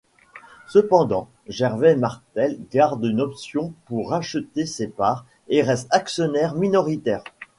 Cependant, Gervais Martel garde une option pour racheter ses parts et reste actionnaire minoritaire.